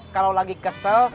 kalau lagi kesel